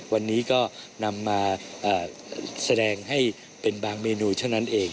วันนี้ก็นำมาแสดงให้เป็นบางเมนูเท่านั้นเอง